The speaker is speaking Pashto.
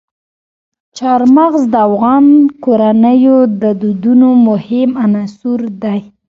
چار مغز د افغان کورنیو د دودونو مهم عنصر دی.